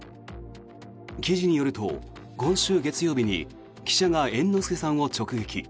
記事によると、今週月曜日に記者が猿之助さんを直撃。